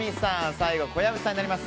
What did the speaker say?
最後、小籔さんになります。